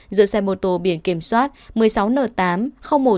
giữa xe mô tố biển kiểm soát một mươi sáu n tám một trăm chín mươi bảy do trần xuân khờ